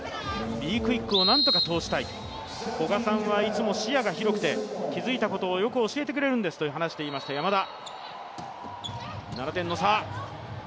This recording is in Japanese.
Ｂクイックをなんとか通したい、古賀さんはいつも視野が広くて、気づいたことをよく教えてくれるんですと話していました山田。